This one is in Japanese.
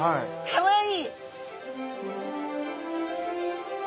かわいい！